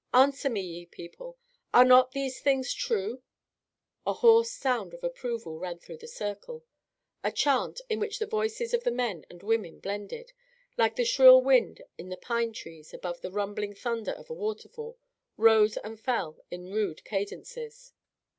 Answer me, ye people, are not these things true?" A hoarse sound of approval ran through the circle. A chant, in which the voices of the men and women blended, like the shrill wind in the pinetrees above the rumbling thunder of a waterfall, rose and fell in rude cadences.